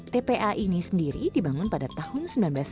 tpa ini sendiri dibangun pada tahun seribu sembilan ratus sembilan puluh